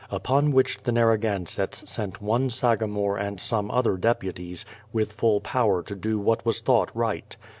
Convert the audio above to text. Upon which the Narragansetts sent one sagamore and some other deputies, with full power to do what was thought right.